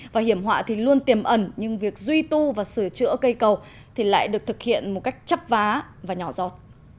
và hiểm họa thì luôn tiềm ẩn nhưng việc duy tu và sửa chữa cây cầu thì lại được thực hiện một cách chấp vá và nhỏ giọt